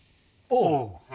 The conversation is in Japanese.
おう。